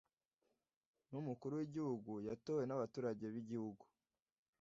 n'umukuru w'igihugu yatowe nabaturage bigihugu